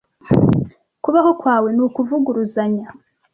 Kubaho kwawe ni ukuvuguruzanya.